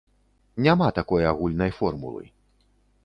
Няма такой агульнай формулы.